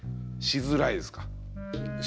しづらいです。